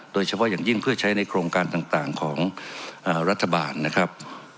โดยเฉพาะอย่างยิ่งเพื่อใช้ในโครงการต่างของรัฐบาลนะครับ